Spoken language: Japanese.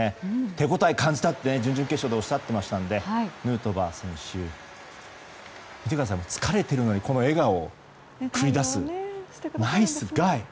手応え感じたって準々決勝でおっしゃっていましたのでヌートバー選手は疲れているのにあの笑顔を繰り出すナイスガイ。